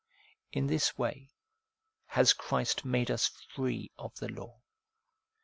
In this way has Christ made us free of the law.